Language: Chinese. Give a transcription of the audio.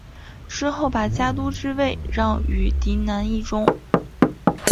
之后把家督之位让与嫡男义忠。